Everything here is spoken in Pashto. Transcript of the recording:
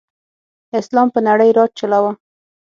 اسلام په نړۍ راج چلاؤ.